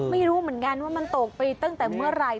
ไม่รู้เหมือนกันว่ามันตกไปตั้งแต่เมื่อไหร่